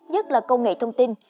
nhất là công nghệ thông tin